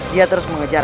dia terus mengejar